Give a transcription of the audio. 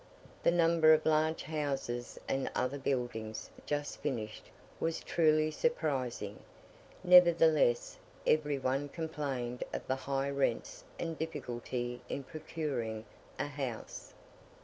The number of large houses and other buildings just finished was truly surprising; nevertheless, every one complained of the high rents and difficulty in procuring a house.